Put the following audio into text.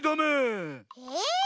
え？